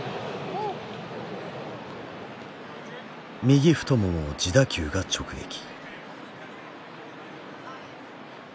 右太ももを自打球が直撃。